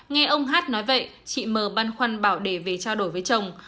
nghe ông h nói vậy chị m băn khoăn bảo để về trao đổi với chồng